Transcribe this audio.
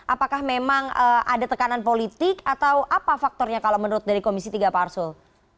apakah memang ada tekanan politik atau apa faktornya kalau menurut dari komisi tiga pak arsul